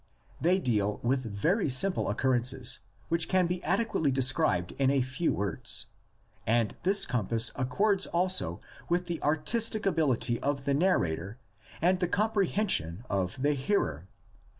They deal with very simple occur rences which can be adequately described in a few words. And this compass accords also with the artistic ability of the narrator and the comprehen sion of the hearer.